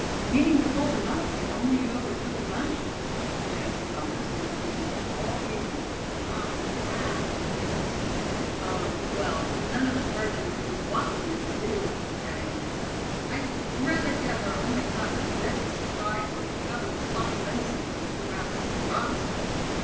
"Meaning to hold them up, if only you overtook the bunch?" suggested Bumpus, who was listening with all eagerness, his eyes round with interest. "Oh! well, none of us hardly knew what we meant to do," Thad answered; "I rather guess our only thought just then was to try and recover the fine venison those two rascals had robbed us of."